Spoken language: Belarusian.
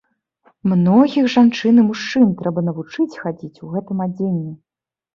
Многіх жанчын і мужчын трэба навучыць хадзіць у гэтым адзенні.